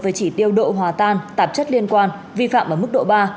về chỉ tiêu độ hòa tan tạp chất liên quan vi phạm ở mức độ ba